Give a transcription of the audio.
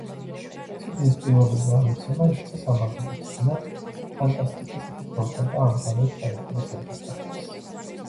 წიგნის პირველი გამოცემა იქცა სამაგიდო წიგნად ფანტასტიკის მკითხველთა და ამ ჟანრით დაინტერესებულთათვის.